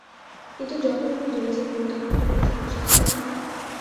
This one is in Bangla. কিন্তু যখন আমি জো ছিলাম তখন তো কোনো সমস্যা ছিলো না।